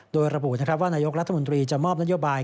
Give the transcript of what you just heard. โดยระบุว่านายกรัฐมนตรีจะมอบนโยบาย